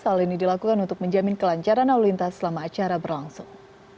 hal ini dilakukan untuk menjamin kelancaran lalu lintas selama acara berlangsung